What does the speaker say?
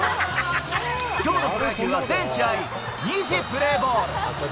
きょうのプロ野球は全試合２時プレーボール。